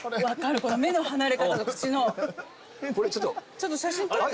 ちょっと写真撮って。